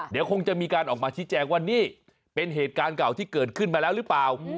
เดี๋ยวคงจะมีการออกมาชี้แจงว่านี่เป็นเหตุการณ์เก่าที่เกิดขึ้นมาแล้วหรือเปล่า